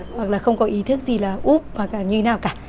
hoặc là không có ý thức gì là úp hoặc là như nào cả